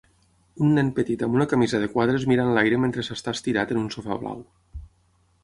Un nen petit amb una camisa de quadres mira enlaire mentre s'està estirat en un sofà blau